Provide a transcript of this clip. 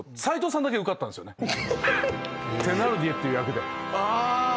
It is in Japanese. テナルディエって役で。